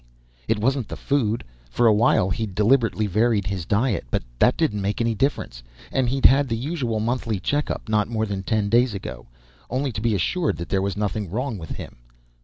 It wasn't the food; for a while he'd deliberately varied his diet, but that didn't make any difference. And he'd had his usual monthly checkup not more than ten days ago, only to be assured there was nothing wrong with him.